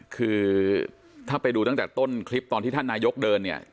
คือถ้าไปดูตั้งแต่ต้นคลิปตอนที่ท่านนายกเดินเนี่ย